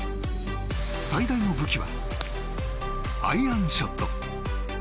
最大の武器はアイアンショット。